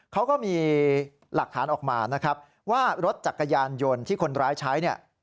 เขาก็มีหลักฐานออกมานะครับว่ารถจักรยานยนต์ที่คนร้ายใช้เนี่ย